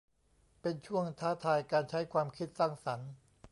เป็นช่วงท้าทายการใช้ความคิดสร้างสรรค์